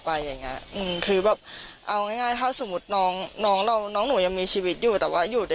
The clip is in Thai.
แล้ววันที่น้องหมด